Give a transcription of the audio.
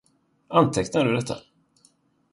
Antecknar du detta?